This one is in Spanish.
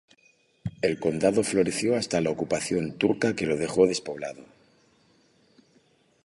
El condado floreció hasta la ocupación turca que lo dejó despoblado.